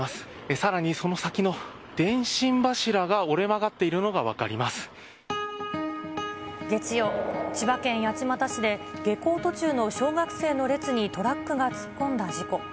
さらにその先の電信柱が折れ曲が月曜、千葉県八街市で下校途中の小学生の列にトラックが突っ込んだ事故。